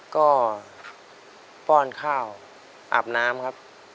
ก็ป้อนข้าวอาบน้ำครับ